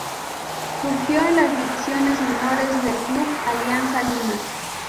Surgió en las divisiones menores del club Alianza Lima.